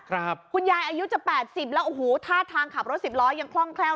คุณยายอายุจะแปดสิบแล้วโอ้โหท่าทางขับรถสิบล้อยังคล่องแคล่ว